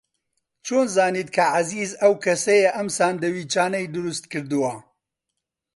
چۆن زانیت کە عەزیز ئەو کەسەیە کە ئەم ساندویچانەی دروست کردووە؟